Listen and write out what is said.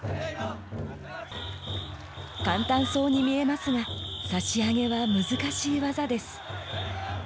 簡単そうに見えますが差し上げは難しい技です。